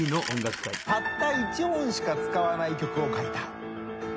たった１音しか使わない曲を書いた。